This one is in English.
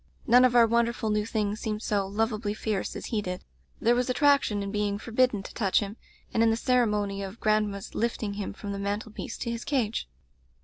None of our wonderful new things seemed so lovably fierce as he did; there was attraction in being forbidden to touch him, and in the ceremony of grand ma's lifting him from the mantel piece to his cage.